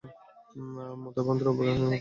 মূতার প্রান্তরে উভয় বাহিনী মুখোমুখি হল।